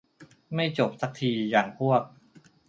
ไม่จบซักที อย่างพวก